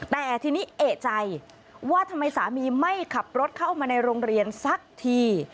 แต่ทีนี้เอกใจว่าทำไมสามีไม่ขับรถเข้ามาในโรงเรียนสักที